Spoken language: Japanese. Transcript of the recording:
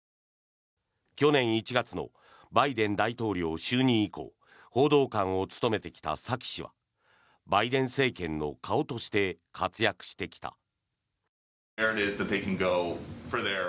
去年１月のバイデン大統領就任以降報道官を務めてきたサキ氏はバイデン政権の顔として活躍してきた。